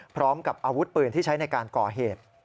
พร้อมกับอาวุธปืนที่ใช้ในการก่อเหตุ